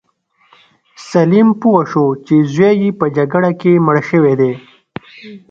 سلیم پوه شو چې زوی یې په جګړه کې مړ شوی دی.